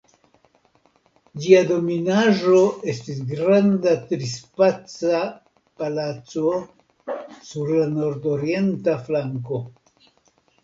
Ĝia dominaĵo estis granda trispaca palaco sur la nordorienta flanko.